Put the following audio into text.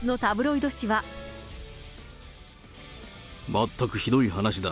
全くひどい話だ。